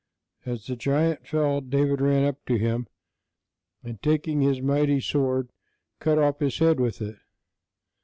As the giant fell, David ran up to him, and taking the mighty sword, cut off his head with it.